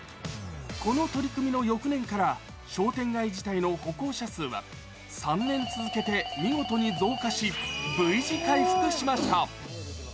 この取り組みの翌年から、商店街自体の歩行者数は、３年続けて見事に増加し、Ｖ字回復しました。